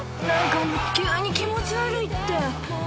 何か急に気持ち悪いって。